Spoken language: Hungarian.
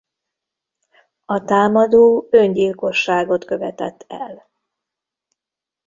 A támadó öngyilkosságot követett el.